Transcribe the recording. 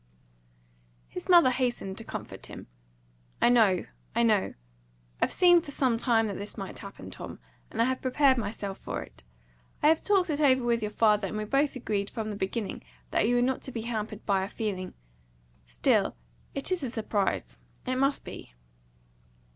His mother hastened to comfort him. "I know I know. I've seen for some time that this might happen, Tom, and I have prepared myself for it. I have talked it over with your father, and we both agreed from the beginning that you were not to be hampered by our feeling. Still it is a surprise. It must be."